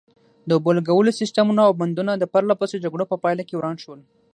د اوبو لګولو سیسټمونه او بندونه د پرلپسې جګړو په پایله کې وران شول.